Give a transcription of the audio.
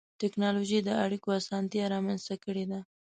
ټکنالوجي د اړیکو اسانتیا رامنځته کړې ده.